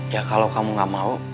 ya kalau kamu gak mau